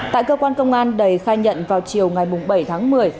tại cơ quan công an đầy khai nhận vào chiều ngày bảy tháng một mươi